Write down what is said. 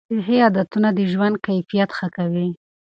صحي عادتونه د ژوند کیفیت ښه کوي.